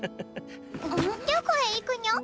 どこへ行くにょ？